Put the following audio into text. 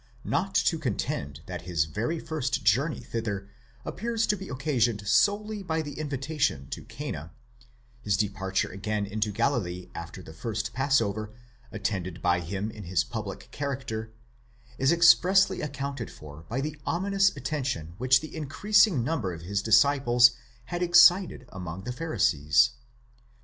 Not to contend that his very first journey thither appears to be occasioned solely by the invitation to Cana, his departure again into Galilee after the first passover attended by him in his public character, is expressly accounted for by the ominous attention which the increasing number of his disciples had excited among the Pharisees (iv.